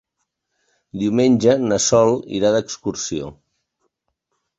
Diumenge na Sol irà d'excursió.